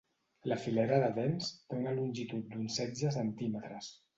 La filera de dents té una longitud d'uns setze centímetres.